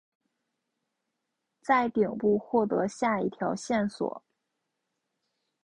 在顶部获得下一条线索。